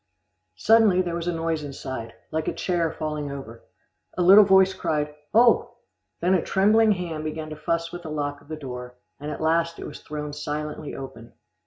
Suddenly there was a noise inside, like a chair falling over. A little voice cried, "Oh!" then a trembling hand began to fuss with the lock of the door, and at last it was thrown silently open.